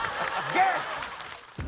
ゲッツ！